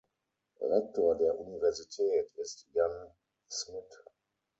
Rektor der Universität ist Jan Szmidt.